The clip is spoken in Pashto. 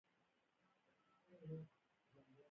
یو نا څاپه ماته ځوان زلمي او تاند وبرېښدې.